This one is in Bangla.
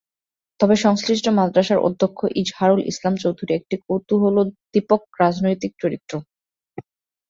তবে সংশ্লিষ্ট মাদ্রাসার অধ্যক্ষ ইজাহারুল ইসলাম চৌধুরী একটি কৌতূহলোদ্দীপক রাজনৈতিক চরিত্র।